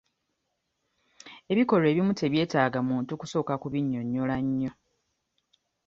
Ebikolwa ebimu tebyetaaga muntu kusooka kubinyonnyola nnyo.